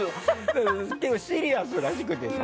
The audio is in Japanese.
結構、シリアスらしくてさ。